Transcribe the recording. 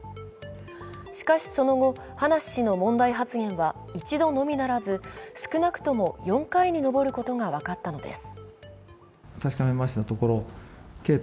しかしその後、葉梨氏の問題発言は１度のみならず、少なくとも４回に上ることが分かったのです。